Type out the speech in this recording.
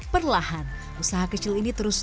perlahan usaha kecil ini terus